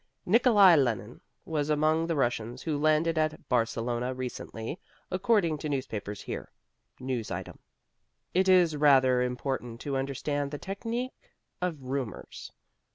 Nikolai Lenine was among the Russians who landed at Barcelona recently, according to newspapers here. News item. It is rather important to understand the technique of rumors.